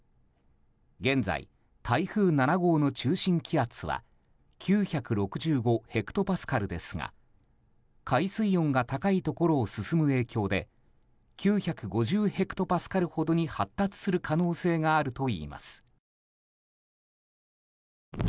現在、台風７号の中心気圧は９６５ヘクトパスカルですが海水温が高いところを進む影響で９５０ヘクトパスカルほどに発達する可能性があるといいます。